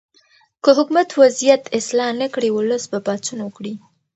که حکومت وضعیت اصلاح نه کړي، ولس به پاڅون وکړي.